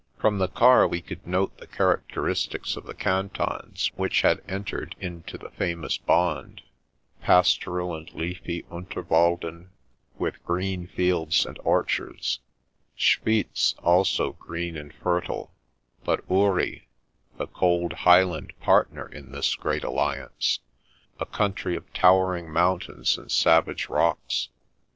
From the car we could note the characteristics of the Cantons which had entered into the famous bond; pastoral and leafy Unter walden, with green fields and orchards; Schwyz, also green and fertile; but Uri (the cold, highland partner in this great alliance), a country of tower ing mountains and savage rocks.